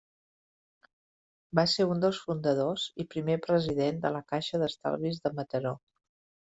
Va ser un dels fundadors, i primer president de la Caixa d'Estalvis de Mataró.